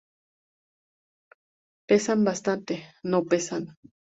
pesan bastante. no pesan.